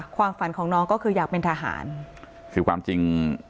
ความฝันของน้องก็คืออยากเป็นทหารคือความจริง